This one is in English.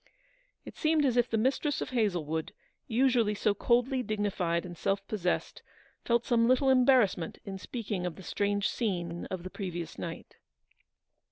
It seemed as if the mistress of Hazlewood, usually so coldly dignified and self possessed, felt some little embarrassment in speaking of the strange scene of the previous night.